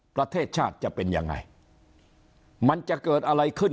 ประเทศชาติจะเป็นยังไงมันจะเกิดอะไรขึ้น